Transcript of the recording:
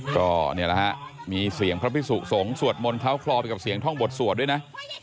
ก็นี่แหละฮะมีเสียงพระพิสุสงฆ์สวดมนต์เขาคลอไปกับเสียงท่องบทสวดด้วยนะ